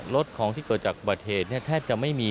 รถของที่เกิดจากประเทศแทบจะไม่มี